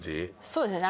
そうですね